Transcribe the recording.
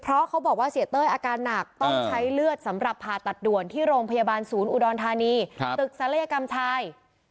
เพราะเขาบอกว่าเสียเต้ยอาการหนักต้องใช้เลือดสำหรับผ่าตัดด่วนที่โรงพยาบาลศูนย์อุดรธานีตึกศัลยกรรมชาย